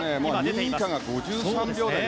２位以下が５３秒台。